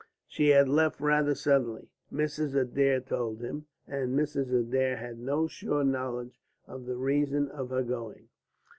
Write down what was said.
She had left rather suddenly, Mrs. Adair told him, and Mrs. Adair had no sure knowledge of the reason of her going.